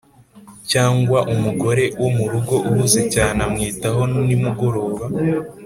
cyangwa umugore wo murugo uhuze cyane amwitaho nimugoroba: